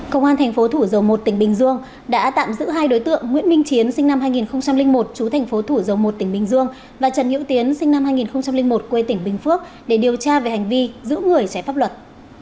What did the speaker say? cơ quan tp thủ dầu một tỉnh bình dương đã tạm giữ hai đối tượng nguyễn minh chiến sinh năm hai nghìn một chú tp thủ dầu một tỉnh bình dương và trần nhữ tiến sinh năm hai nghìn một quê tỉnh bình phước để điều tra về hành vi giữ người trái pháp luật